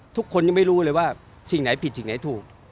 ทุกคนยังไม่รู้เลยว่าสิ่งไหนผิดสิ่งไหนถูก